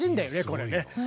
これね。